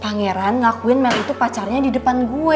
pangeran lakuin mel itu pacarnya di depan gue